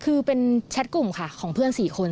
คือเป็นแชทกลุ่มค่ะของเพื่อน๔คน